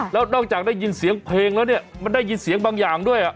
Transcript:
แล้วนอกจากได้ยินเสียงเพลงแล้วเนี่ยมันได้ยินเสียงบางอย่างด้วย